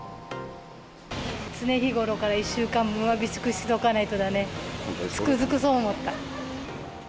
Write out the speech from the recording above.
常日頃から１週間分は備蓄しておかないとだね、つくづくそう思った。